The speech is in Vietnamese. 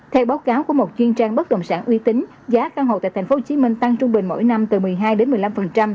theo báo cáo của một chuyên trang bất động sản uy tín giá căn hộ tại tp hcm tăng trung bình mỗi năm từ một mươi hai đến một mươi năm